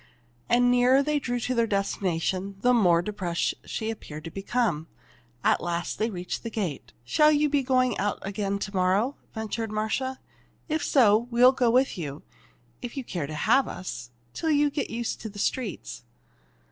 And the nearer they drew to their destination, the more depressed she appeared to become. At last they reached the gate. "Shall you be going out again to morrow?" ventured Marcia. "If so, we will go with you, if you care to have us, till you get used to the streets."